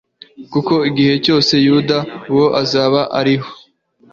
kuko igihe cyose yuda uwo azaba akiriho